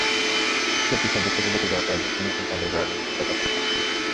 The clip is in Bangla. সেই তুষারধস থেকে বেঁচে যাওয়া কয়েকজন শুনিয়েছেন তাঁদের ভয়াবহ অভিজ্ঞতার কথা।